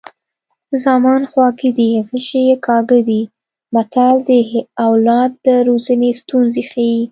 زامن خواږه دي غشي یې کاږه دي متل د اولاد د روزنې ستونزې ښيي